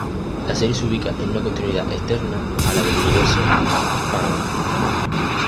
La serie se ubica en una continuidad externa a la del universo Spawn.